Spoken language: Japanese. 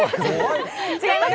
違います。